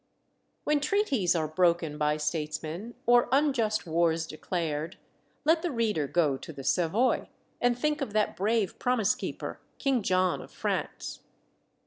When treaties are broken by statesmen, or unjust wars declared, let the reader go to the Savoy, and think of that brave promise keeper, King John of France.